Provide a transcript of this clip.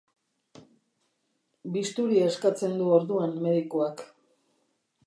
Bisturia eskatzen du orduan medikuak.